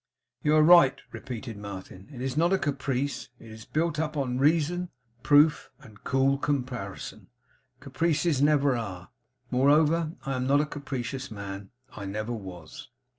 'You are right,' repeated Martin. 'It is not a caprice. It is built up on reason, proof, and cool comparison. Caprices never are. Moreover, I am not a capricious man. I never was.